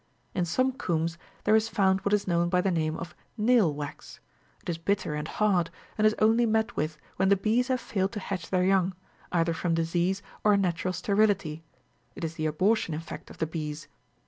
In some combs, there is found what is known by the name of " nail" wax ;55 it is bitter and hard, and is only met with when the bees have failed to hatch their young, either from disease or a natural sterility, it is the abortion, in fact, of the bees.